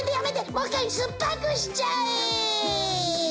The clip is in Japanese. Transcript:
もう１回酸っぱくしちゃえ！